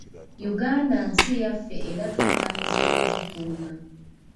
Uganda nsi yaffe era tuvunaanyizibwa okugikuuma.